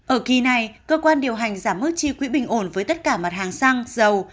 ở kỳ này cơ quan điều hành giảm mức chi quỹ bình ổn với tất cả mặt hàng xăng dầu